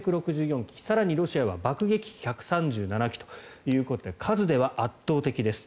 更にロシアは爆撃機１３７機ということで数では圧倒的です。